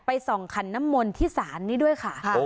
ส่องขันน้ำมนต์ที่ศาลนี้ด้วยค่ะ